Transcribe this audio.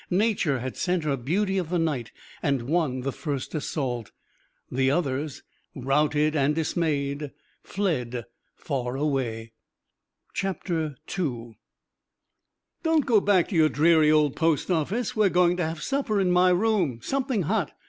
Nature had sent her Beauty of the Night and won the first assault. The others, routed and dismayed, fled far away. II "Don't go back to your dreary old post office. We're going to have supper in my room something hot.